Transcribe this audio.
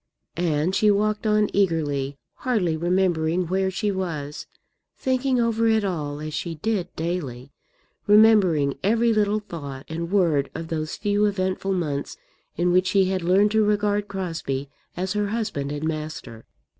And she walked on eagerly, hardly remembering where she was, thinking over it all, as she did daily; remembering every little thought and word of those few eventful months in which she had learned to regard Crosbie as her husband and master.